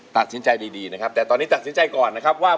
ตัดสินใจดีนะครับแต่ตอนนี้ตัดสินใจก่อนนะครับว่า